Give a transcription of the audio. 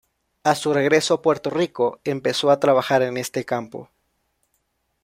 A su regreso a Puerto Rico, empezó a trabajar en este campo.